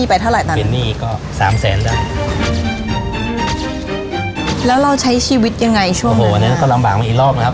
อันนี้ก็ลำบากมาอีกรอบนะครับ